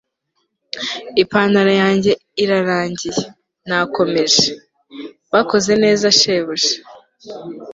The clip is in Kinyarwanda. ipantaro yanjye irarangiye, nakomeje. bakoze neza shebuja